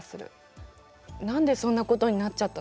何でそんなことになっちゃったの？